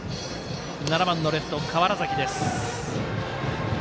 ７番のレフト、川原崎。